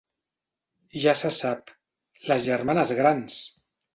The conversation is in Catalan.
Ja se sap, les germanes grans!